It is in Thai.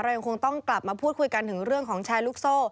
ยังคงต้องกลับมาพูดคุยกันถึงเรื่องของแชร์ลูกโซ่